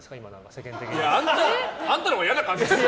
世間的に。あんたのほうが嫌な感じですよ。